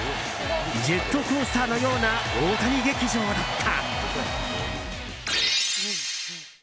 ジェットコースターのような大谷劇場だった。